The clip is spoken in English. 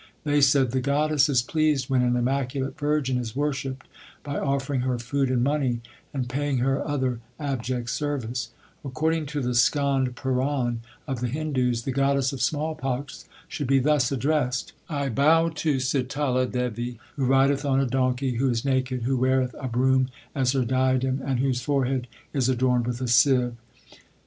They said, The goddess is 1 Gauri ki War I. LIFE OF GURU ARJAN 43 pleased when an immaculate virgin is worshipped by offering her food and money, and paying her other abject service/ According to the Skand Puran of the Hindus, the goddess of small pox should be thus addressed : I bow to Sitala Devi who rideth on a donkey, who is naked, who weareth a broom as her diadem, and whose forehead is adorned with a sieve.